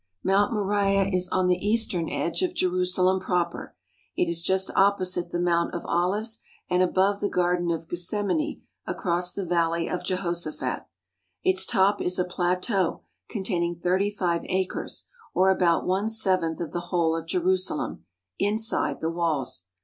" Mount Moriah is on the eastern edge of Jerusalem proper. It is just opposite the Mount of Olives and above the Garden of Gethsemane across the Valley of Jehoshaphat. Its top is a plateau containing thirty five acres, or about one seventh of the whole of Jerusalem, inside the walls.